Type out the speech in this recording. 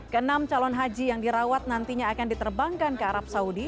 ke enam calon haji yang dirawat nantinya akan diterbangkan ke arab saudi